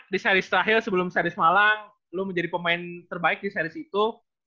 di series terakhir sebelum series malang lu menjadi pemain terbaik di series itu